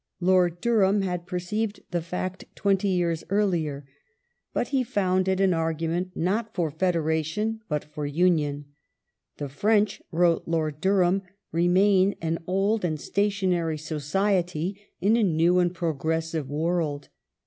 ^ Lord Durham had per ceived the fact twenty years earlier. But he found it an argument not for Federation but for Union. "The French," wrote Lord Durham, " remain an old and stationary society in a new and pro gressive world.